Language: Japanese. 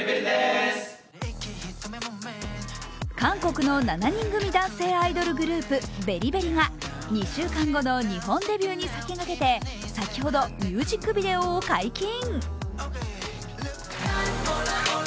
韓国の７人組男性アイドルグループ、ＶＥＲＩＶＥＲＹが２週間後の日本デビューに先駆けて先ほどミュージックビデオを解禁。